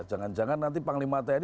jangan jangan nanti panglima tni